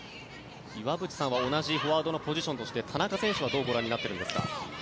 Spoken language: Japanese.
岩渕さんは同じフォワードのポジションとして田中選手はどうご覧になっているんですか？